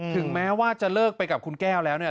ถึงแม้ว่าจะเลิกไปกับคุณแก้วแล้วเนี่ย